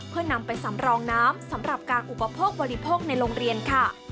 เพื่อนำไปสำรองน้ำสำหรับการอุปโภคบริโภคในโรงเรียนค่ะ